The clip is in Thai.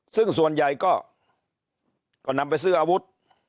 ซึ่งส่วนใหญ่ก็นำไปซื้ออาวุธ